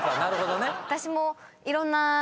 私もいろんな。